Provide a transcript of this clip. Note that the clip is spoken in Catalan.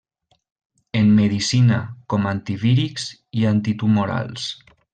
En medicina com antivírics i antitumorals.